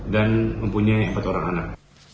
dan mempunyai empat orang anak